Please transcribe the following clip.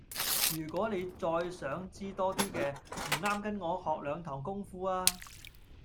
如果你再想知多啲嘅，唔啱跟我學兩堂功夫吖